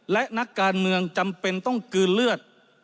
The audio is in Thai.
และนักการเมืองจำเป็นต้องกลืนเลือด